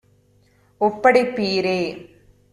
ஒப்படைப்பீரே!